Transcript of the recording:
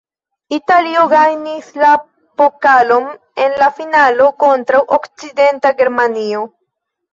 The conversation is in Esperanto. Italio gajnis la pokalon en la finalo kontraŭ Okcidenta Germanio.